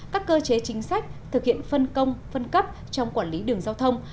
các cơ chế chính sách thực hiện phân công phân cấp trong quản lý đường giao thông